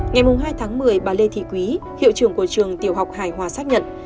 ngày hai tháng một mươi bà lê thị quý hiệu trưởng của trường tiểu học hải hòa xác nhận